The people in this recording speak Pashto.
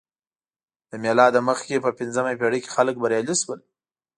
له میلاده مخکې په پنځمه پېړۍ کې خلک بریالي شول